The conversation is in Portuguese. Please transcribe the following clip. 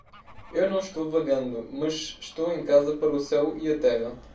Eu não estou vagando, mas estou em casa para o céu e a terra.